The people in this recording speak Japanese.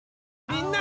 みんな！